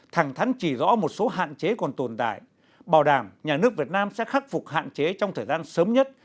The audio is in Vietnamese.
thẳng thắn chỉ rõ một số hạn chế còn tồn tại bảo đảm nhà nước việt nam sẽ khắc phục hạn chế trong thời gian sớm nhất